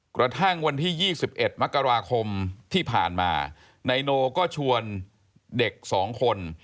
กระทั่งวันที่ยี่สิบเอ็ดมกราคมที่ผ่านมาไนโนก็ชวนเด็กสองคน